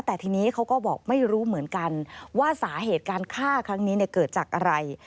แต่ทีนี้เขาก็บอกไม่รู้เหมือนกันว่าสาเหตุการฆ่าครั้งนี้เกิดจากอะไร